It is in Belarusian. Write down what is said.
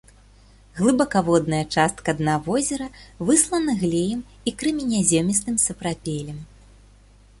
Глыбакаводная частка дна возера выслана глеем і крэменязёмістым сапрапелем.